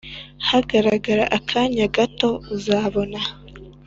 hagarara akanya gato uzabona